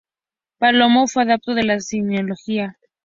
Palomo fue adepto de la cienciología.